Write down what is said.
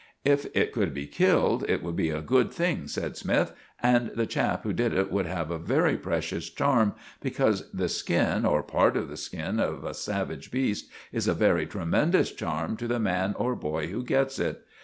"If it could be killed, it would be a good thing," said Smythe; "and the chap who did it would have a very precious charm, because the skin, or part of the skin of a savage beast is a very tremendous charm to the man or boy who gets it.